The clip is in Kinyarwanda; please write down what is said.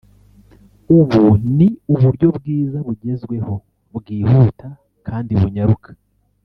ubu ni uburyo bwiza bugezweho bwihuta kandi bunyaruka